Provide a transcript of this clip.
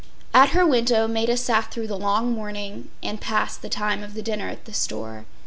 ” At her window Maida sat through the long morning and past the time of the dinner at the store.